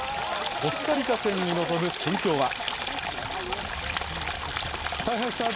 コスタリカ戦に臨む心境は。